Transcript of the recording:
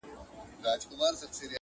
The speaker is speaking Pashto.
o د پيشي چي نفس تنگ سي، د زمري جنگ کوي٫